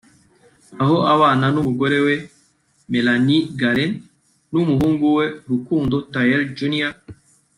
aho abana n’umugore we Melanie Gale n’umuhungu we Rukundo Taye Jr